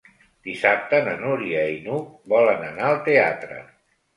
Dissabte na Núria i n'Hug volen anar al teatre.